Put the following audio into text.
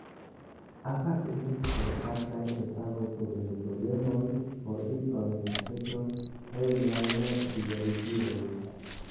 Aparte estos helpataj infanoj kun reno-problemoj: por ili oni aĉetos hejmajn dializilojn.